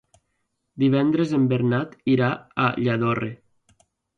Divendres en Bernat irà a Lladorre.